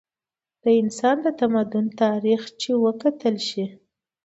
د انسان د تمدن تاریخ چې وکتلے شي